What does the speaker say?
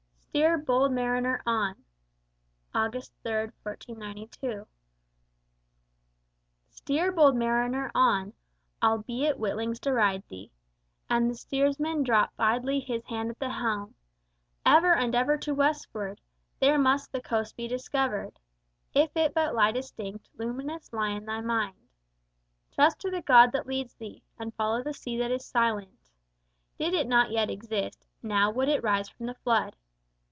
STEER, BOLD MARINER, ON! [August 3, 1492] Steer, bold mariner, on! albeit witlings deride thee, And the steersman drop idly his hand at the helm. Ever and ever to westward! there must the coast be discovered, If it but lie distinct, luminous lie in thy mind. Trust to the God that leads thee, and follow the sea that is silent; Did it not yet exist, now would it rise from the flood.